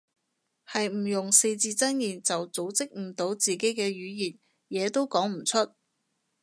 係唔用四字真言就組織唔到自己嘅語言，嘢都講唔出